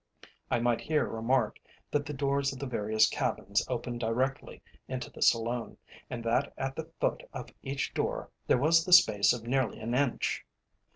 I might here remark, that the doors of the various cabins opened directly into the saloon, and that at the foot of each door there was the space of nearly an inch.